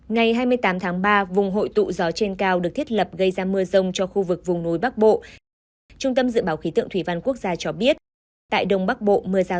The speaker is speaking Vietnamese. ngày hai mươi tám tháng ba vùng hội tụ gió trên cao được thiết lập gây ra mưa rông cho khu vực vùng núi bắc bộ